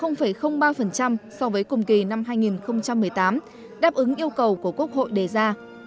giảm ba so với cùng kỳ năm hai nghìn một mươi tám đáp ứng yêu cầu của quốc hội đề ra